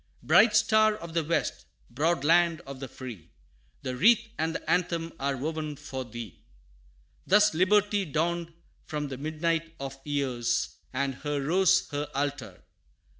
Bright Star of the West broad Land of the Free! The wreath and the anthem are woven for thee! III. Thus Liberty dawned from the midnight of years; And here rose her altar.